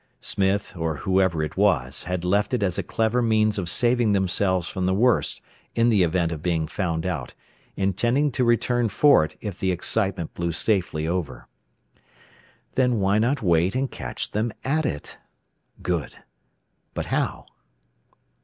Smith, or whoever it was, had left it as a clever means of saving themselves from the worst in the event of being found out, intending to return for it if the excitement blew safely over. Then why not wait and catch them at it? Good. But how?